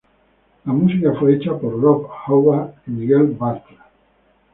La música fue hecha por Rob Hubbard y Miguel Bartra.